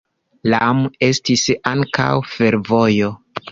Iam estis ankaŭ fervojo.